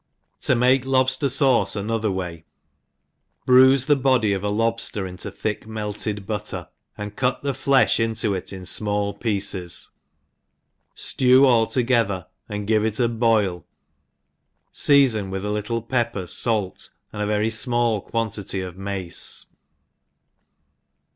To make Lobster Sauce another ^joay. BRUISE the body of a lobftcr into thick melted butter &nd cut the flefh into it in fmall pieces, flew all together and give it a boil, fca fon with a little pepper, fait, and a very fmall quantity of mace.